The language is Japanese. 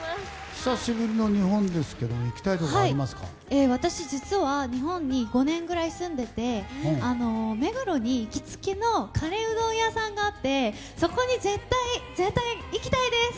久しぶりの日本ですけど私、実は日本に５年ぐらい住んでいて目黒に行きつけのカレーうどん屋さんがあってそこに絶対行きたいです！